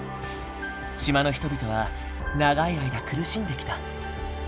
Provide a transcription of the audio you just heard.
島の人々は長い間苦しんできた。